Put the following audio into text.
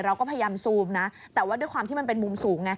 เราก็พยายามซูมนะแต่ว่าด้วยความที่มันเป็นมุมสูงไง